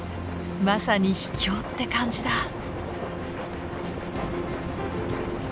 まさに秘境って感じだ！